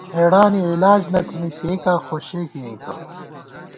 ہېڑانی علاج نہ تھنی، پئېکا خو شے کېئیکہ